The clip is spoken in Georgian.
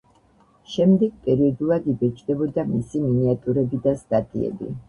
შემდეგ პერიოდულად იბეჭდებოდა მისი მინიატურები და სტატიები.